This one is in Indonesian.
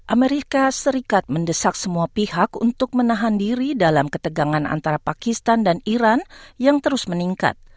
amerika serikat mendesak semua pihak untuk menahan diri dalam ketegangan antara pakistan dan iran yang terus meningkat